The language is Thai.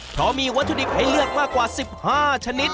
เพราะมีวัตถุดิบให้เลือกมากกว่า๑๕ชนิด